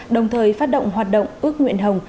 đồng thời phát động hoạt động ước nguyện hồng